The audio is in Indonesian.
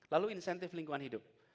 lalu insentif lingkungan hidup